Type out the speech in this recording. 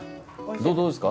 そうですか。